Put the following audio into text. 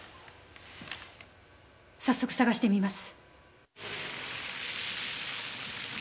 早速探してみます。